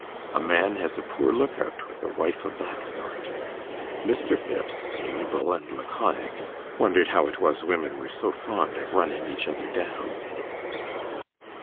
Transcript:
A man has a poor look out with a wife of that sort. Mr. Phipps, amiable and laconic, wondered how it was women were so fond of running each other down.